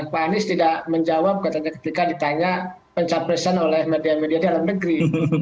pak anies tidak menjawab ketika ditanya pencapresan oleh media media dalam negeri